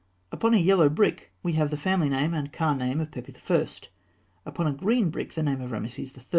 Upon a yellow brick, we have the family name and Ka name of Pepi I.; upon a green brick, the name of Rameses III.